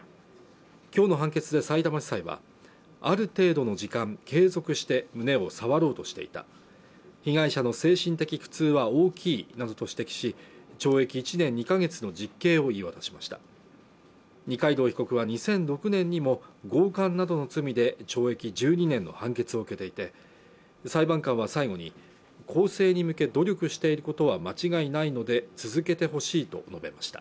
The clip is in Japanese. きょうの判決でさいたま地裁はある程度の時間継続して胸を触ろうとしていた被害者の精神的苦痛は大きいなどと指摘し懲役１年２ヶ月の実刑を言い渡しました二階堂被告は２００６年にも強姦などの罪で懲役１２年の判決を受けていて裁判官は最後に更生に向け努力していることは間違いないので続けてほしいと述べました